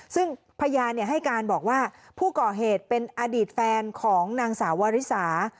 ซึ่งพยานให้การบอกว่าผู้ก่อเหตุเป็นอดีตแฟนของนางสาววาริสา